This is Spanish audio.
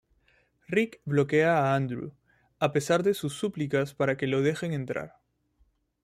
Rick bloquea a Andrew, a pesar de sus súplicas para que lo dejen entrar.